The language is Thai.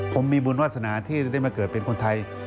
ผมมีบุญวาสนาที่ได้มาเกิดเป็นคนไทย